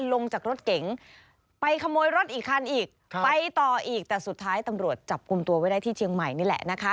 ลงจากรถเก๋งไปขโมยรถอีกคันอีกไปต่ออีกแต่สุดท้ายตำรวจจับกลุ่มตัวไว้ได้ที่เชียงใหม่นี่แหละนะคะ